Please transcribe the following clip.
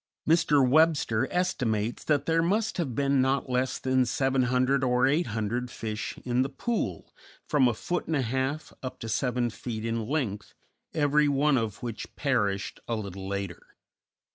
Mr. Webster estimates that there must have been not less than 700 or 800 fish in the pool, from a foot and a half up to seven feet in length, every one of which perished a little later.